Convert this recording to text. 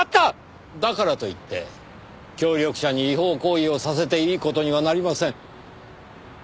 だからといって協力者に違法行為をさせていい事にはなりません。